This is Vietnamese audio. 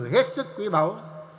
hết sức quý báu